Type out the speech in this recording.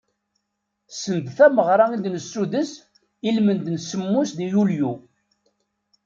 Send tameɣra i d-nessuddes i lmend n semmus di yulyu.